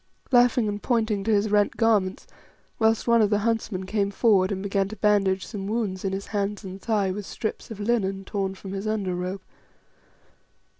Then he rose, laughing and pointing to his rent garments, whilst one of the huntsmen came forward and began to bandage some wounds in his hands and thigh with strips of linen torn from his under robe.